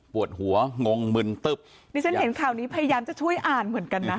ปวดหัวงงมึนตึบดิฉันเห็นข่าวนี้พยายามจะช่วยอ่านเหมือนกันนะ